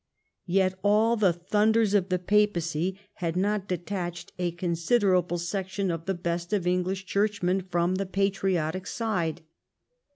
Yet all the thunders of the papacy had not detached a considerable section of the best of English Churchmen from the patriotic side.